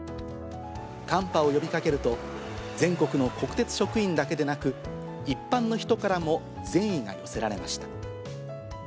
カンパを呼びかけると、全国の国鉄職員だけでなく、一般の人からも善意が寄せられました。